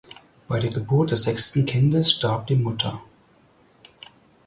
Bei der Geburt des sechsten Kindes starb die Mutter.